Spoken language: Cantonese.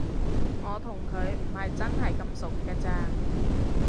我同佢唔係真係咁熟㗎咋